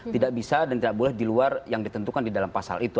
tidak bisa dan tidak boleh di luar yang ditentukan di dalam pasal itu